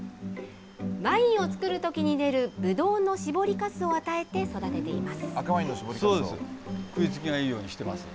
ワインを造るときに出るぶとうの搾りかすを与えて育てています。